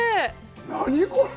何これ。